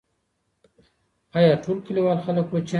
آیا ټول کلیوال خلګ کوچیان دي؟